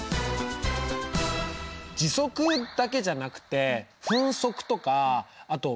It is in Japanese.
時速だけじゃなくて分速とかあと秒速もあるよね。